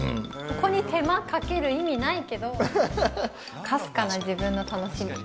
ここに手間をかける意味ないけど、かすかな自分の楽しみ。